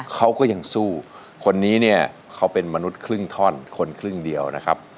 เขาก็ยังสู้คนนี้เนี่ยเขาเป็นมนุษย์ครึ่งท่อนคนครึ่งเดียวนะครับ